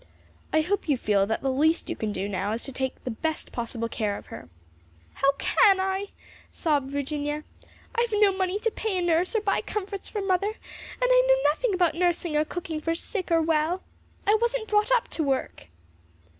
"I hope you feel that the least you can do now is to take the best possible care of her." "How can I?" sobbed Virginia. "I've no money to pay a nurse or buy comforts for mother, and I know nothing about nursing or cooking for sick or well. I wasn't brought up to work."